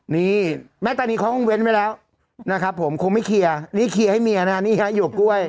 นี่แม่ตานีเขาคงเว้นไว้แล้วนะครับผมคงไม่เคลียร์นี่เคลียร์ให้เมียนะฮะนี่ฮะหยวกกล้วย